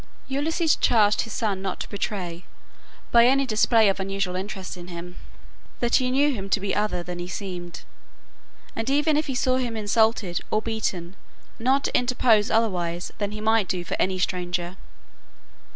Ulysses charged his son not to betray, by any display of unusual interest in him, that he knew him to be other than he seemed, and even if he saw him insulted, or beaten, not to interpose otherwise than he might do for any stranger.